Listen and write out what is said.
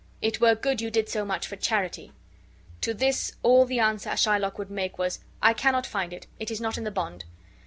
It were good you did so much for charity." To this all the answer Shylock would make was, "I cannot find it; it is not in the bond."